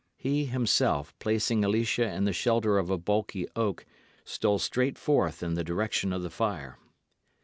He himself, placing Alicia in the shelter of a bulky oak, stole straight forth in the direction of the fire.